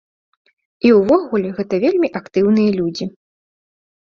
І ўвогуле гэта вельмі актыўныя людзі.